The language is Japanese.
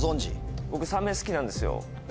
僕サメ好きなんですよ。